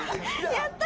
やった！